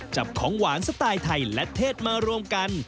จับของหวานสไตล์ไทยและเทศมารวมกัน